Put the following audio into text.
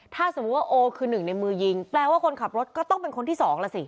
ถ้าสมมุติว่าโอคือหนึ่งในมือยิงแปลว่าคนขับรถก็ต้องเป็นคนที่สองแล้วสิ